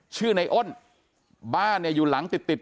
ชื่อในอ้นบ้านเนี่ยอยู่หลังติดติด